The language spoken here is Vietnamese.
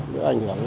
đỡ ảnh hưởng